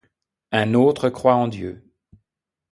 Un autre croit en Dieu.